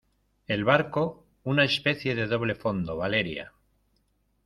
el barco, una especie de doble fondo. Valeria .